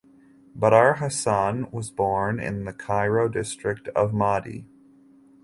Badr Hassan was born in the Cairo district of Maadi.